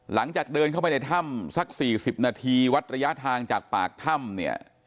หลังจากเดินเข้าไปในถ้ำสัก๔๐นาทีวัดระยะทางจากปากถ้ำเนี่ย